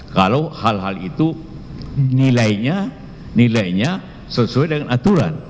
kalau hal hal itu nilainya nilainya sesuai dengan aturan